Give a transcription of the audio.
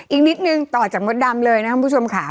อีกนิดนึงต่อจากมดดำเลยนะครับคุณผู้ชมค่ะ